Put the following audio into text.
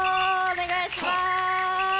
お願いします。